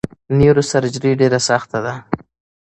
نیوروسرجري ډیره سخته ده!